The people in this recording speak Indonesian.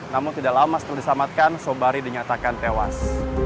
namun tidak lama setelah diselamatkan sobari dinyatakan tewas